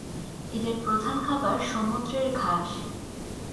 এদের প্রধান খাবার সমুদ্রের ঘাস।